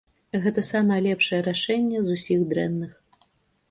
Гэтае самае лепшае рашэнне з усіх дрэнных.